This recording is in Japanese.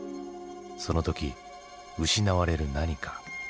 その時失われる何か。